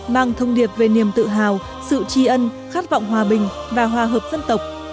mang thông điệp về niềm tự hào sự tri ân khát vọng hòa bình và hòa hợp dân tộc